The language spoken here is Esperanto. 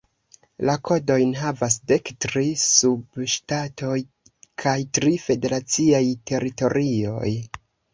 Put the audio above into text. La kodojn havas dek tri subŝtatoj kaj tri federaciaj teritorioj.